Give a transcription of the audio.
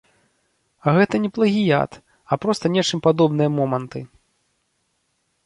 Але гэта не плагіят, а проста нечым падобныя моманты.